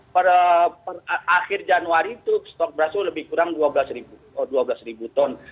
per akhir januari itu stok beras itu lebih kurang dua belas ton